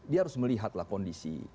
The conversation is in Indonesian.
dia harus melihat lah kondisi